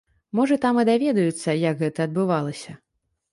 Можа там і даведаюцца, як гэта адбывалася.